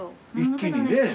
一気にね？